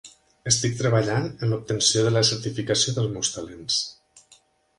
Estic treballant en l'obtenció de la certificació dels meus talents.